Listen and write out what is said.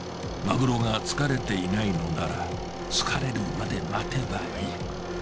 マグロが疲れていないのなら疲れるまで待てばいい。